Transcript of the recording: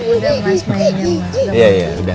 udah mas mainin